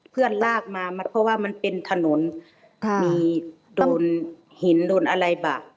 ลากมาเพราะว่ามันเป็นถนนมีโดนหินโดนอะไรบะ